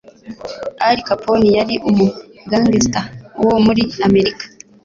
Al Capone yari umu gangster wo muri amerika